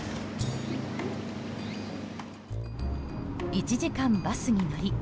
１時間バスに乗り